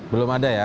belum ada ya